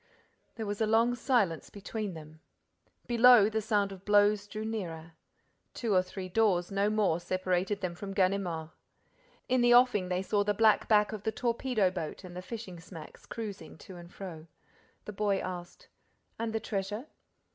There was a long silence between them. Below, the sound of blows drew nearer. Two or three doors, no more, separated them from Ganimard. In the offing, they saw the black back of the torpedo boat and the fishing smacks cruising to and fro. The boy asked: "And the treasure?"